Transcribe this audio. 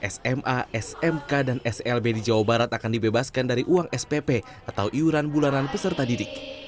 sma smk dan slb di jawa barat akan dibebaskan dari uang spp atau iuran bulanan peserta didik